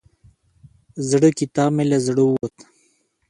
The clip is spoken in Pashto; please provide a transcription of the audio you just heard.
زړه کتاب مې له زړه ووت.